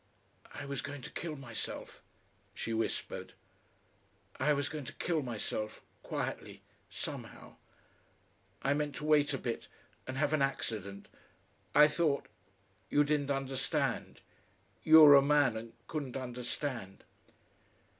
"I was going to kill myself," she whispered. "I was going to kill myself quietly somehow. I meant to wait a bit and have an accident. I thought you didn't understand. You were a man, and couldn't understand...."